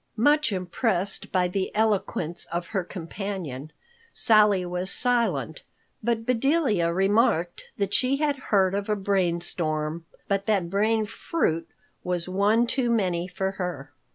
Much impressed by the eloquence of her companion, Sally was silent, but Bedelia remarked that she had heard of a brain storm, but that brain fruit was one too many for her.